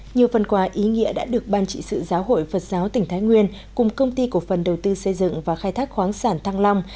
nhiều phần quà ý nghĩa đã được ban trị sự giáo hội phật giáo tỉnh thái nguyên cùng công ty cổ phần đầu tư xây dựng và khai thác khoáng sản thăng long